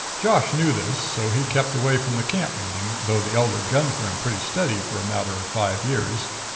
Josh knew this, so he kept away from the camp meeting, though the Elder gunned for him pretty steady for a matter of five years.